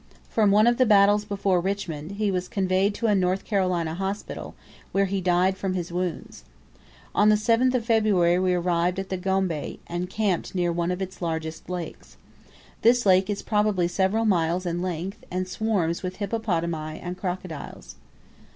From one of the battles before Richmond, he was conveyed to a North Carolina hospital, where he died from his wounds. On the 7th of February we arrived at the Gombe, and camped near one of its largest lakes. This lake is probably several miles in length, and swarms with hippopotami and crocodiles.